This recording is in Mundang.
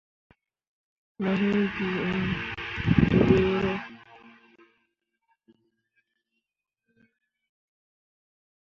Mo hiŋ bii iŋ dǝyeero.